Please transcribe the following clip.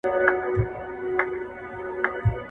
اوس لکه سپینه نقره